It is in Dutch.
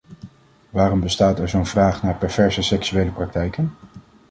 Waarom bestaat er zo'n vraag naar perverse seksuele praktijken?